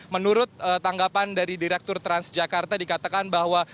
menurut tanggapan dari direktur transjakarta dikatakan bahwa